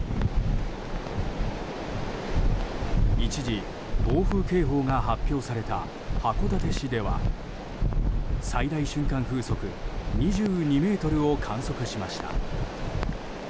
一時、暴風警報が発表された函館市では最大瞬間風速２２メートルを観測しました。